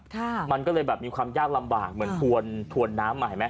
ค่ะมันก็เลยแบบมีความยากลำบากเหมือนถวนถวนน้ำมาเห็นไหม